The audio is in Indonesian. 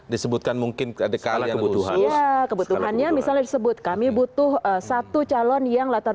disebutkan mungkin sekali kebutuhan kebutuhannya misalnya disebut kami butuh satu calon yang latar